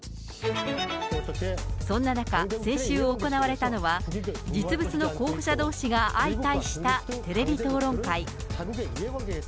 そんな中、先週行われたのは、実物の候補者どうしが相対したテレビ討論会。